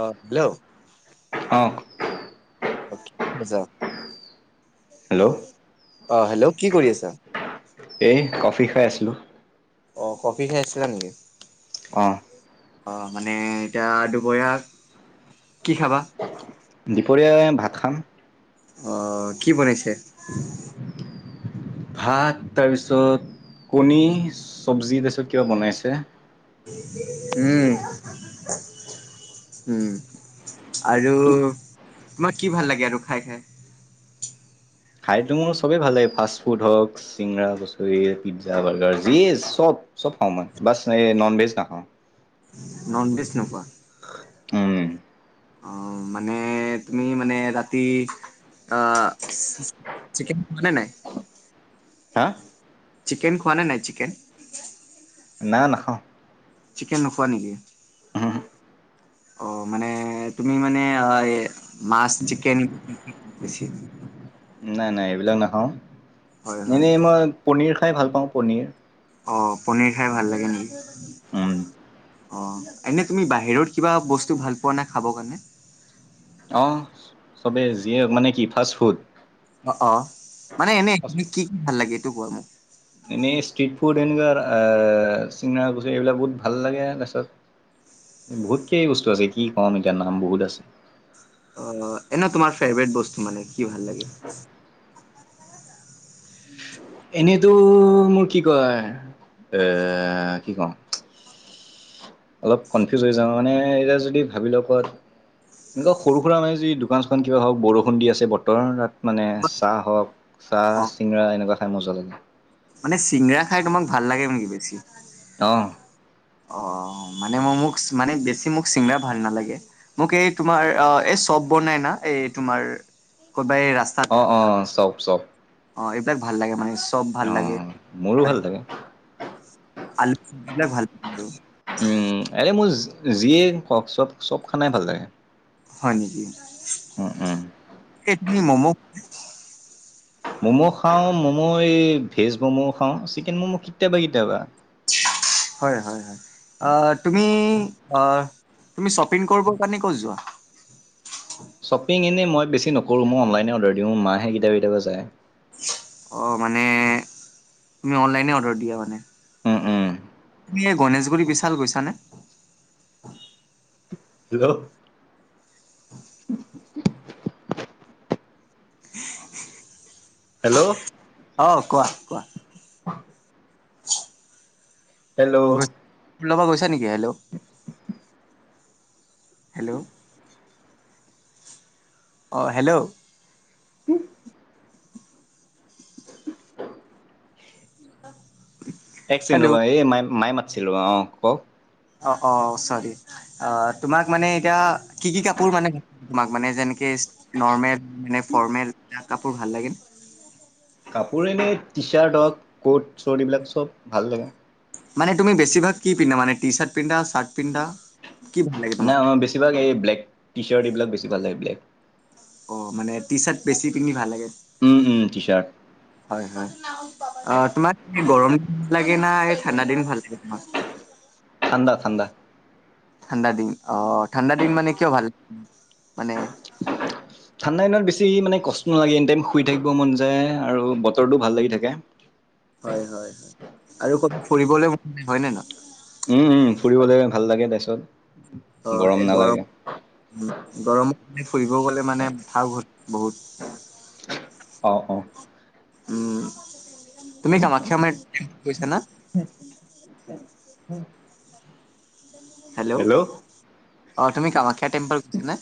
অ hello অ অ আছা হেল্ল' আহ হেল্ল' কি কৰি আছা এ কফি খাই আছিলোঁ অ কফি খাই আছিলা নেকি আহ অ মানে এতিয়া দুপৰাক কি খাবা দুপৰীয় ভাত খাম অ কি বনাইছে [inaudible] ভাত তাৰপিছত কণী চব্জি তাৰপিছত কিবা বনাইছে উম উম আৰু তোমাক কি ভাল লাগে আৰু খাই খাই খাইটো মোৰ চবেই ভাল লাগে ফাষ্ট ফুড হওক চিঙৰা কছৰি পিজ্জা বাৰ্গাৰ যিয়ে চব চব খাওঁ মই বাছ এই নন ভেজ নাখাওঁ ননভেজ নকা উম অ মানে তুমি মানে ৰাতি অ চিকেন খোৱা নে নাই হা চিকেন খোৱা নে নাই চিকেন নাই নাখাওঁ চিকেন নোখোৱা নেকি আহ অ মানে তুমি মানে অ মাছ চিকেন নাই নাই এইবিলাক নাখাওঁ হয় হয় এনেই মই পনিৰ খাই ভাল পাওঁ পনীৰ অ পনিৰ খাই ভাল লাগে নেকি অ এনে তুমি বাহিৰত কিবা বস্তু ভাল পোৱা নাই খাব কাৰণে অ চবে যিয়ক মানে কি ফাষ্ট ফুড অ অ মানে এনে কি কি ভাল লাগে এইটো কোৱা মোক এনে সষ্ট্ৰীট ফুড এনেকুৱ চিঙনা কুছু এইবিলাক বহুত ভাল লাগে তছত বহুতকেই বস্তু আছে কি কম এতিয়া নাম বহুত আছে অ এনে তোমাৰ ফেভাৰট বস্তু মানে কি ভাল লাগে এনেইতো মোৰ কি কয় এ কি কওঁ অলপ কনফিউজ হৈ যাওঁ মানে এতিয়া যদি ভাবি লওঁ ক'ত এনেকুৱা সৰু সুৰা মানে যি দোকান চোকান কিবা হওক বৰষুণ দি আছে বতৰ তাত মানে চাহ হওক চাহ অ চিঙৰা এনেকুৱা খাই মজা লাগে মান চিংৰা খাই তোমাক ভাল লাগে মেকি বছি অ অ অ মানে মই মোক মানে বেছি মোক চিঙৰা ভাল নালাগে মোক এই তোমাৰ অ ব ব নাই না এই তোমাৰ ক'বা এই ৰাস্তাত অ অ চব চব অ এইবিলাক ভাল লাগে মানে চব ভাল অ লাগে মোৰো ভাল লাগে আলু চব্জিিবিলাক ভাল লাগিলো আৰে মোৰ যিয়েওক চব চব খানাই ভাল লাগে হয় নেকি উম উম ইডলি মমো ম'ম' খাওঁ ম'ম' ভেজ ম'ম' খাওঁ চিকেন মম' কেতিয়াবা কেতিয়াবা হয় হয় হয় তুমি তুমি শ্বপিং কৰিব কাৰণে ক' যোৱা শ্বপিং এনেই মই বেছি নকৰোঁ মই অনলাইনে অৰ্ডাৰ দিওঁ মাহে কেতিয়াবা কেতিয়াবা যায় অ মানে তুমি অনলাইনে অৰ্ডাৰ দিয়া মানে উম উম। তুমি এই গণেশগুৰি বিশাল গৈছানে হেল্ল। [inaudible] হেল্ল'। অ, কোৱা, কোৱা। হেল্ল'। স্কুলৰ পৰা গৈছা, নেকি হেল্ল'। হেল্ল'। অ, হেল্ল'। [inaudible] [inaudible] একচিন হেল্ল' ৰবা, এই ম, মায়ে মাতিছিল ৰ, অ, কক। অ, অ, চৰি অ, তোমাক মানে এতিয়া কি, কি কাপোৰ মানে তোমাক মানে যেনেকে নৰ্মেল, মানে ফৰ্মেল, এ, কাপোৰ ভাল লাগে নে। কাপৰে এনেই টি চাৰ্ট হওক, ক'ট চৰ্ট এইবিলাক চব ভাল লাগে। মানে তুমি বেছিভাগ কি পিন্ধা মানে টি চাৰ্ট পিন্ধা, চাৰ্ট পিন্ধা? কি ভাল লাগে নাই, তোমাক মই বেছিভাগ এই ব্লেক টি চাৰ্ট, এইবিলাক বেছি ভাল লাগে, ব্লেক অ' মানে টি চাৰ্ট বেছি পিন্ধি ভাল লাগে, উম উম টি চাৰ্ট। হয়', হয়। অ', তোমাৰ গৰম দিন লাগে না? এই, ঠাণ্ডা দিন ভাল লাগে তোমাৰ? ঠাণ্ডা, ঠাণ্ডা। ঠাণ্ডা দিন, অ, ঠাণ্ডা দিন মানে কিয় ভাল লাগে। ঠাণ্ডা দিনত বেছি বেছি মানে কষ্ট নালাগে, এনি টাইম শুই থাকিব মন যায়, আৰু বতৰটো ভাল লাগি থাকে। হয়, হয়, হয় আৰু কবাত ফুৰিবলৈ মন হয় নে নহয়? উম', উম' ফুৰিবলৈ ভাল লাগে, তাৰ পিছত অ', এই গৰম, উ' গৰমত ফুৰিব গলে মানে ভাল বহুত অ', অ' উম' তুমি কামাখ্যা মন্দিৰ গৈছা না? হেল্ল', অ', তুমি কামাখ্যা টেম্পল গৈছা নে?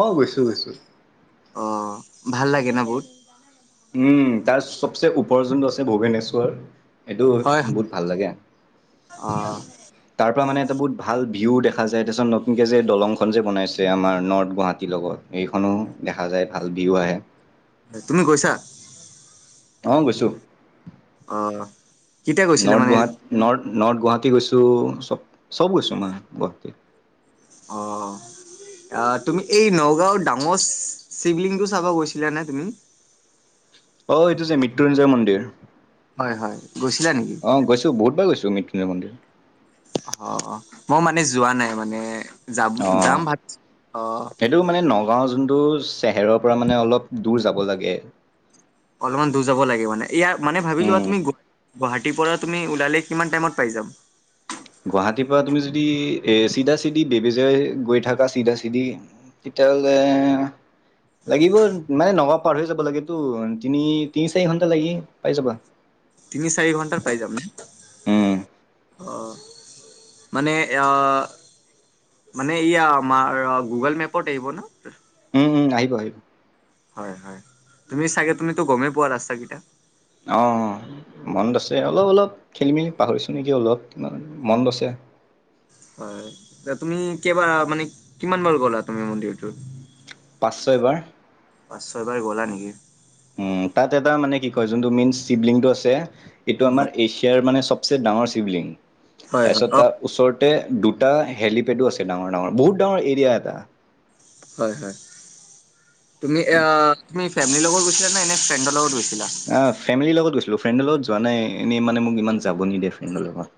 অ', গৈছোঁ, গৈছোঁ। অ', ভাল লাগে ন' বহুত। উম, তাৰ চবচে উপৰত যোনটো আছে ভূৱনেশ্বৰ এইটো হয় হয় বহুত ভাল লাগে, অ তাৰ পৰা মানে এটা বহুত ভাল ভিউ দেখা যায়, তাৰপিছত নতুনকে যে দলংখন যে বনাইছে, আমাৰ নৰ্থ গুৱাহাটীৰ লগত এইখনো দেখা যায়, ভাল ভিউ আহে। তুমি গৈছা? অ', গৈছোঁ। অহ। North Guwahati, north north Guwahati গৈছোঁ, চব, চব গৈছোঁ, মই গুৱাহাটীৰ। অহ। অ', তুমি এই নগাঁওৰ ডাঙৰ শিৱলিংটো চাব গৈছিলা নে তুমি? অ', এইটো যে মৃত্যুঞ্জয় মন্দিৰ। হয় হয় গৈছিলা নেকি? অ', গৈছোঁ, বহুতবাৰ গৈছোঁ মৃত্যুঞ্জয় মন্দিৰ। অ', অ', মই মানে যোৱা নাই, মানে যাম, অ যাম, [unintelligible] অ'। গাওঁ যোনটো চেহেৰৰ পৰা মানে অলপ দূৰ যাব লাগে। অলপমান দূৰ যাব লাগে মানে, ইয়াৰ মানে ভাবি লোৱা, উম, তুমি গুৱাহাটীৰ পৰা তুমি ওলালে কিমান টাইমত পাই যাম? গুৱাহাটীৰ পৰা তুমি যদি, এই চিধা চিধি বেবেজীয়া গৈ থাকা, চিধা চিধি তেতিয়াহ'লে লাগিব মানে নগাঁও পাৰ হৈ যাব লাগেতো, তিনি তিনি চাৰি ঘন্টা লাগি পাই যাবা। তিনি চাৰি ঘণ্টাত পাই যামনে? উম, অ', মানে অ' মানে ইয়া, আমাৰ গুগল মেপত আহিব ন? উম, আহিব আহিব। হয় হয়, তুমি চাগে, তুমিতো গমেই পোৱা ৰাস্তা কেইটা। অ', মনত আছে, অলপ অলপ খেলি মেলি পাহৰিছোঁ নেকি, অলপ মনত আছে। হয়, তুমি কেইবাৰ মানে কিমান বাৰ গ'লা তুমি মন্দিৰটোত? পাঁচ ছয়বাৰ। পাঁচ ছয়বাৰ গ'লা নেকি? উম, তাত এটা মানে কি কয়, যোনটো মেইন শিৱলিংটো আছে, এইটো হয় আমাৰ এছিয়াৰ মানে চব ডাঙৰ শিৱলিঙ্গ, হয় হয় তাৰপিছত অ তাৰ ওচৰতে দুটা হেলিপেডো আছে ডাঙৰ ডাঙৰ, বহুত ডাঙৰ এৰিয়া এটা হয় হয়, তুমি তুমি এই ফেমিলিৰ লগত গৈছা নে এনে ফ্ৰেণ্ডৰ লগত গৈছা? অহ, ফেমিলিৰ লগত গৈছিলোঁ, ফ্ৰেণ্ডৰ লগত যোৱা নাই, এনেই মানে মোক ইমান যাব নিদিয়ে ফ্ৰেণ্ডৰ লগত।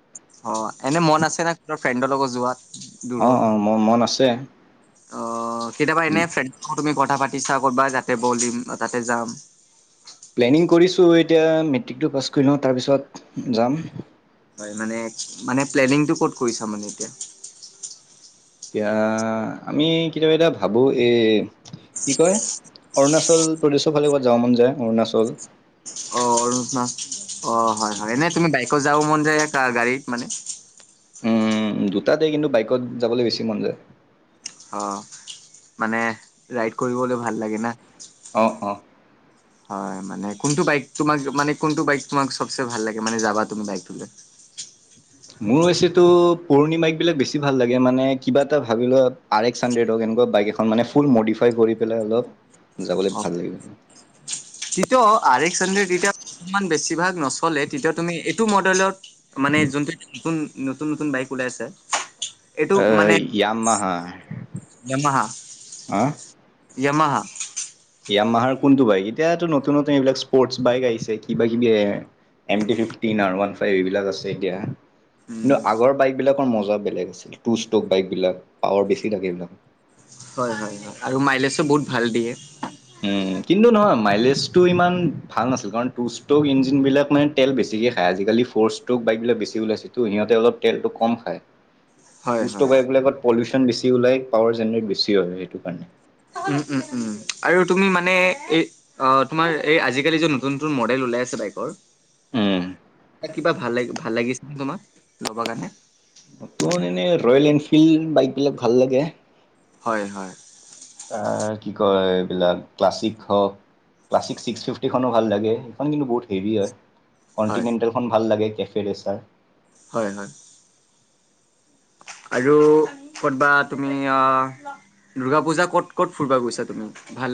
অ', এনেই মন আছেনে? কোনো ফ্ৰেণ্ডৰ লগত যোৱাত? অ', দূৰত অ', মোৰ মন আছে। অ', কেতিয়াবা এনে ফ্ৰেণ্ড তুমি কথা পাতিছা, কৰবাত যাতে বলিম, তাতে যাম প্লেনিং কৰিছোঁ এতিয়া মেট্ৰিকটো পাছ কৰি লওঁ, তাৰপিছত যাম। হয় মানে, মানে প্লেনিংটো ক'ত কৰিছা মানে এতিয়া? এতিয়া, আমি কেতিয়াবা কেতিয়াবা ভাবো এই কি কয় অৰুণাচল প্ৰদেশৰ ফালে ক'ৰবাত যাব মন যায়, অৰুণাচল অ'। অ', হয় হয়, এনেই তুমি বাইকত যাব মন যায় নে গাড়ীত মানে? উম, দুটাতেই, কিন্তু বাইকত যাবলৈ বেছি মন যায়। অ, মানে ৰাইড কৰিবলৈ ভাল লাগে না। অ', অ'। হয় মানে কোনটো বাইক তোমাক মানে কোনটো বাইক তোমাক চবে ভাল লাগে মানে যাবা তুমি বাইকটোলৈ উ [inaudible] মোৰ বেচি টো পুৰণি বাইক বিলাক বেছি ভাল লাগে মানে কিবা এটা ভাবি লোৱা আৰ এক্স হান্দ্ৰেদ বাইক এখন মানে ফুল মডিফাইড কৰি পেলাই, অলপ যাবলৈ ভাল লাগিব। তেতিয়াও আৰ এক্স হান্দ্ৰেদ তেতিয়ামান বেছিভাগ নচলে তেতিয়া তুমি এইটো মডেলত মানে যোনটো নতুন, নতুন, নতুন বাইক ওলাই আছে। এইটো মানে অ' য়ামাহা য়ামাহা হা য়ামাহা য়ামাহাৰ কোনটো বাইক এতিয়াতো নতুন, নতুন এইবিলাক স্পৰ্টছ বাইক আহিছে কিবা, কিবি M T fifteen R one five এইবিলাক আছে এতিয়া কিন্তু উম আগৰ বাইক বিলাকৰ মজা বেলেগ আছিল টু ষ্টক বাইক বিলাক পাৱাৰ বেছি থাকে এইবিলাক হয়, হয়, হয় আৰু মাইলেজো বহুত ভাল দিয়ে। উম কিন্তু নহয় মাইলেজটো ইমান ভাল নাছিল কাৰণ টু ষ্ট্ৰক ইঞ্জিনবিলাক মানে তেল বেছিকে খায় আজিকালি ফৌৰ ষ্টক বাইক বিলাক বেছিক ওলাইছেটো সিহঁতে অলপ তেলটো কম খায়। টো হয় ষ্টক হয় বাইক বিলাকত পলিউচন বেছি ওলাই পাৱাৰ জেনেৰেট বেচি হয় সেইটো কাৰণে উম, উম, উম, আৰু তুমি মানে এই অ, তোমাৰ এই আজিকালি যে নতুন, নতুন মডেল ওলাই আ বাইকৰ উম কিবা ভাল ল ভাল লাগিছে ন তোমাক ল'ব কাৰণে নতুন এনে ৰয়েল এনফিল্ড বাইক বিলাক ভাল লাগে। হয়, হয়। ত, কি কয় এইবিলাক ক্লাছিক হওক। ক্লাছিক ছিক্স ফিফটিখনো ভাল লাগে। সেইখন কিন্তু বহুত হেভি হয়। হয় কণ্টিনেণ্টেলখন ভাল লাগে, কেফে ৰেচাৰ। হয়, হয়। আৰু কৰ'তবা তুমি আহ দুূৰ্গা পূজা ক'ত, কত ফুব গৈছা তুমি? ভাল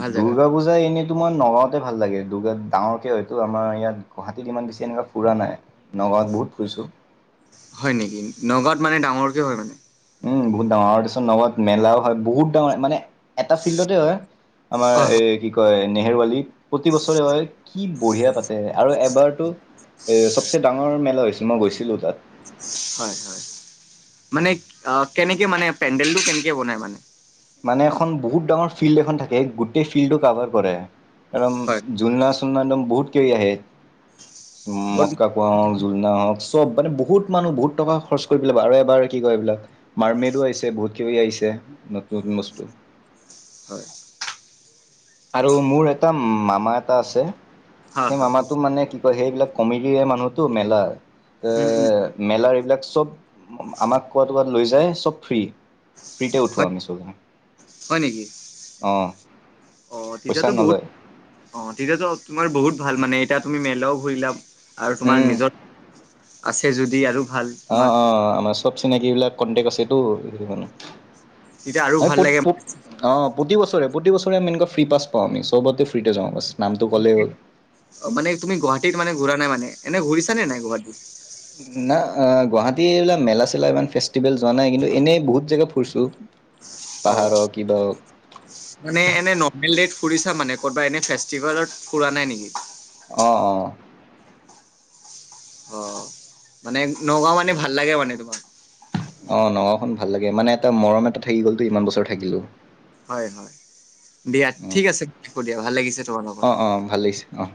ভাল জেগাত দুূৰ্গা পূজা এনেই তোমাৰ নলদ তে, ভাল লাগে দুৰ্গ ডাঙৰকে হয়তো আমাৰ ইয়াত গাহাটীত ইমান বেছি এনেকুৱা ফুৰা নাই নগাঁৱত বহুত ফুৰিছোঁ। হয়, নেকি নগাঁৱ মানে ডাঙৰকে হয় মানে। উম, বহুত ডাঙৰ আৰু তাৰপিছত নগত মেলাও হয় বহুত ডাঙৰ মানে। এটা ফিল্ডতে হয় আমাৰ অ এ, কি কয় নেহেৰুৱালী প্ৰতি বছৰে হয় কি বঢ়িয়া পাতে। আৰু এবাৰতো এ, চবচে ডাঙৰ মেলা হৈছিল, মই গৈছিলো তাত। হয়, হয়, মানে কেনেকে মানে পেডেলটো কেনেকে বনাই মানে মানে এখন বহুত ডাঙৰ ফিল্ড এখন থাকে। গোটেই ফিল্ডটো কাভাৰ কৰে। কাৰম হয় ঝুলনা, চুলনা একদম বহুত কে আহ বহুত মটকা কুঁৱা হওক, জোলনা হওক চব মানে বহুত মানুহ বহুত টকা খৰচ কৰি পেলাই আৰু এবাৰ কি কয় এইবিলাক মাৰ্মেডো আহিছে বহুত কিব আহিছে। নতুন বস্তু হয়। আৰু মোৰ এটা মামা এটা আছে, হয় সেই হয় মামাটো মানে কি সেইবিলাক কমিডিৰে মানুহতো মেলা ত, উম উম মেলাৰ এইবিলাক চব আমাক ক'বাত, ক'ৰবাত লৈ যায় চব ফ্ৰী। ফ্ৰীতে উঠোঁ, হয় আমি চব অ'। হয় নেকি অ, পইচা তেতিয়াতো বহুত নলয় অ, তেতিয়াতো তোমাৰ বহুত ভাল মানে এতিয়া তুমি মেলাও ঘূৰিলা। আৰু তোমাৰ উম নিজৰ আছে যদি আৰু ভাল অ', তোমাক অ', আমাৰ চব চিনাক বিলাক কন্টেকট আছে। তেতিয়া আৰু মি, প, ভাল লাগে প, অ'। প্ৰতি বছৰে প্ৰতি বছৰেমেনেকুৱা ফ্ৰী পা পাওঁ আমি চবতে ফ্ৰীতে যাওঁ বাছ নামটো ক'লে অ মে তুমি গাহীত মানে ঘুৰা নাই মান এনে ঘূৰিছ নে নাই গুৱাহাটী ন গুৱাহাটী এইবিলাক মেলা চেলা ইমান ফেষ্টিভেল যোৱা নাই কিন্তু এনেই বহুত জেগা ফুুৰছোঁ অ পাহাৰৰ কি দ মানে এনে নৰ্মেল ডট ফুৰিছা মানে কৰ'বা এনে ফেষ্টিভেলত ফুৰা নাই নেকি অ', অ', অ মানে নগাঁও মানে ভাল লাগে মানে তোমাক অ নগাওখনন ভাল লাগে মানে এটা মৰম এটা থাকি গ'লত ইমান বছৰ থাকিলো হয় হয় দিয়া ঠিক আছে হ দিয়া ভাল লাগিছে তোমাৰ লগত অ অ ভাল লাগিছে অ